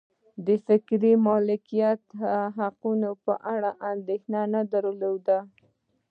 د فکري مالکیت حقونو په اړه یې اندېښنه نه درلوده.